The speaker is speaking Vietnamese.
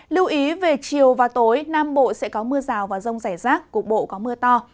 lưu ý về chiều và tối nam bộ sẽ có mưa rào và rông rải rác cục bộ có mưa to